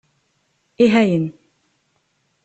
Ihayen.